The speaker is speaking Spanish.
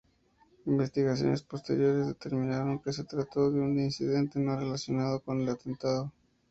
Investigaciones posteriores determinaron que se trató de un incidente no relacionado con el atentado.